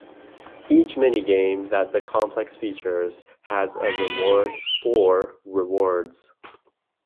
Each mini-game that the Complex features has a reward or rewards.